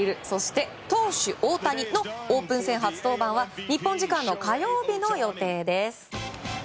そして投手・大谷のオープン戦初登板は日本時間の火曜日の予定です。